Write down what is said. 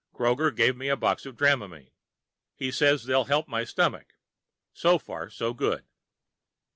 Kroger gave me a box of Dramamine pills. He says they'll help my stomach. So far, so good.